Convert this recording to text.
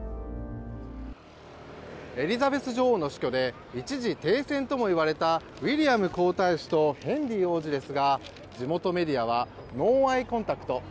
エリザベス女王の死去で一時停戦ともいわれたウィリアム皇太子とヘンリー王子ですが地元メディアはノーアイコンタクト。